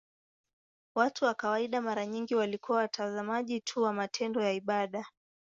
Watu wa kawaida mara nyingi walikuwa watazamaji tu wa matendo ya ibada.